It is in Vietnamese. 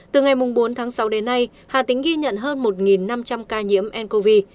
từ ngày bốn tháng sáu đến nay hà tĩnh ghi nhận hơn một năm trăm linh ca nhiễm ncov